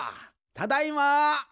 ただいま。